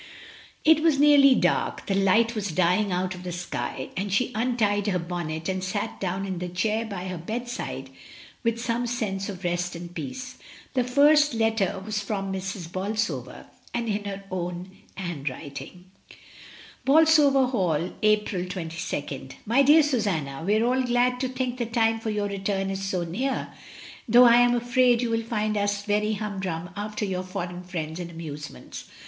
It was nearly dark, the light was dying out of the sky, and she untied her bonnet and sat down in the chair by her bedside with some sense of rest and peace. The first letter was from Mrs. Bolsover, and in her own handwriting: — Bolsover Hall, April 22nd. "My dear Susanna, — We are all glad to think the time for your return is so near, though I am afraid you will find us very humdrum after your foreign friends and amusements.